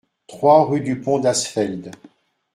trois rue du Pont d'Asfeld